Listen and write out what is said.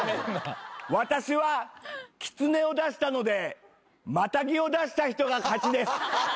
私はキツネを出したのでマタギを出した人が勝ちです。